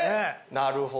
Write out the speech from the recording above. なるほど。